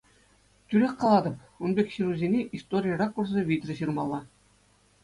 Тӳрех калатӑп, ун пек ҫырусене истори ракурсӗ витӗр ҫырмалла.